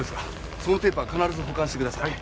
そのテープは必ず保管してください。